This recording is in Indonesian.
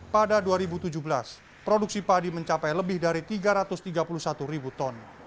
pada dua ribu tujuh belas produksi padi mencapai lebih dari tiga ratus tiga puluh satu ribu ton